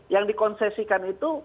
yang dikonsesikan itu